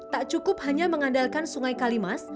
tak cukup hanya mengandalkan sungai kalimas